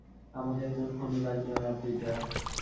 আমাকে একজন খুনি বানিও না, পিটার।